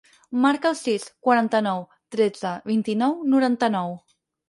Marca el sis, quaranta-nou, tretze, vint-i-nou, noranta-nou.